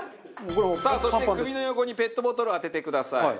さあそして首の横にペットボトルを当ててください。